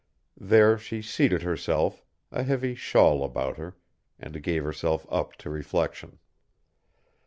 There she seated herself, a heavy shawl about her, and gave herself up to reflection.